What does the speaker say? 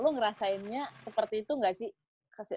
lo ngerasainnya seperti itu nggak sih